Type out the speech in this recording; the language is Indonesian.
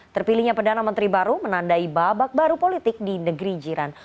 terpilihnya perdana menteri baru menandai babak baru politik di negeri jiran